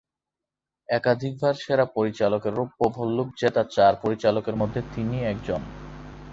একাধিকবার সেরা পরিচালকের রৌপ্য ভল্লুক জেতা চার পরিচালকের মধ্যে তিনি একজন।